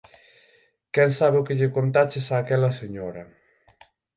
Quen sabe o que lle contaches a aquela señora.